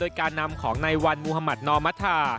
โดยการนำของในวันมุธมัธนอมธา